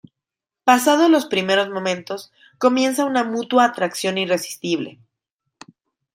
Pasados los primeros momentos, comienza una mutua atracción irresistible.